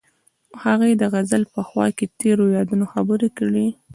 هغوی د غزل په خوا کې تیرو یادونو خبرې کړې.